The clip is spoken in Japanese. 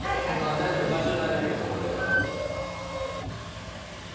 大丈夫場所大丈夫そこで。